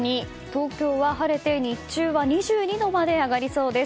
東京は晴れて日中は２２度まで上がりそうです。